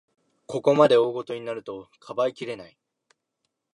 ここまで大ごとになると、かばいきれない